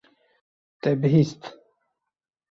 Te bihîst.